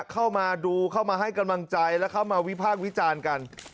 เข้ามาดูเข้ามาให้กำลังใจและเข้ามาวิพากษ์วิจารณ์กัน